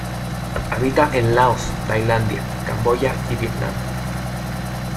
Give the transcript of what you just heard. Habita en Laos, Tailandia, Camboya y Vietnam.